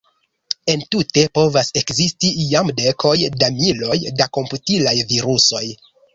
Entute povas ekzisti jam dekoj da miloj da komputilaj virusoj.